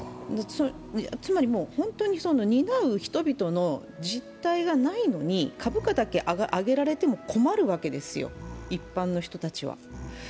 つまり、本当に担う人々の実体がないのに株価だけ上げられても困るわけですよ、一般の人たちは。